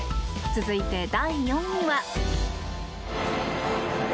続いて、第４位は。